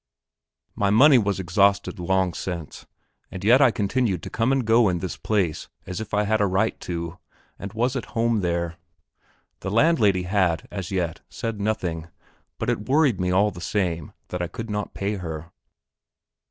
My money was exhausted long since; and yet I continued to come and go in this place as if I had a right to it, and was at home there. The landlady had, as yet, said nothing; but it worried me all the same that I could not pay her.